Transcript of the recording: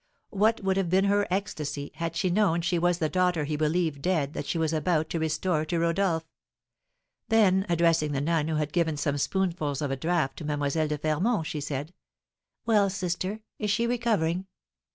What would have been her ecstasy, had she known she was the daughter he believed dead that she was about to restore to Rodolph! Then, addressing the nun who had given some spoonfuls of a draught to Mlle. de Fermont, she said, "Well, sister, is she recovering?"